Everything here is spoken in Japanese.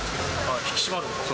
引き締まる？